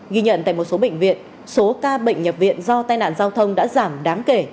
ghi nhận tại một số bệnh viện số ca bệnh nhập viện do tai nạn giao thông đã giảm đáng kể